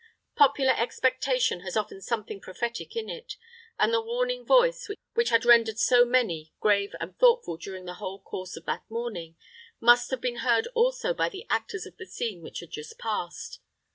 Popular expectation has often something prophetic in it, and the warning voice, which had rendered so many grave and thoughtful during the whole course of that morning, must have been heard also by the actors of the scene which had just passed.